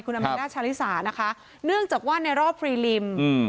อาแมนด้าชาลิสานะคะเนื่องจากว่าในรอบฟรีลิมอืม